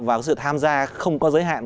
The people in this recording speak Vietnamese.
vào sự tham gia không có giới hạn